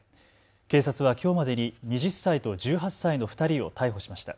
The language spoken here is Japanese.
警察はきょうまでに２０歳と１８歳の２人を逮捕しました。